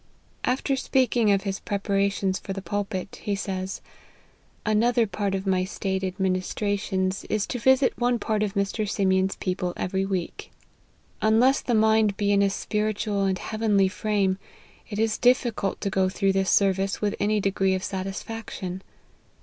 After speaking of his preparations for the pulpit, he says, " Another part of my stated ministrations, is to visit one part of Mr. Simeon's people ever^ LIFE OF HENRY MARTYN. 33 week. Unless the mind be in a spiritual and hea venly frame, it is difficult to go through this service with any degree of satisfaction.